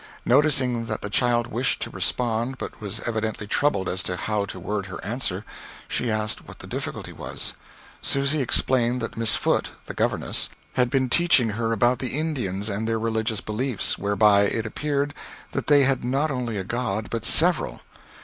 Noticing that the child wished to respond, but was evidently troubled as to how to word her answer, she asked what the difficulty was. Susy explained that Miss Foote (the governess) had been teaching her about the Indians and their religious beliefs, whereby it appeared that they had not only a God, but several.